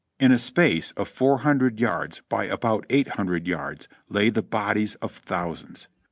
In a space of four hundred yards by about eight hundred yards lay the bodies of thousands.